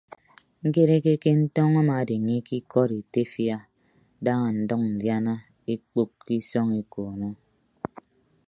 Ñkereke ke ntọñ amaadeññe ke ikọd etefia daña ndʌñ ndiana ekpookko isọñ ekoono.